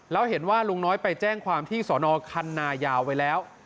แล้วเห็นว่าลุงน้อยไปแจ้งความที่สอนอคันนายาวไว้แล้ว